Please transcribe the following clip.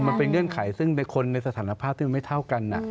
มันเป็นเงื่อนไขซึ่งคนในสถานภาพที่ไม่เท่ากัน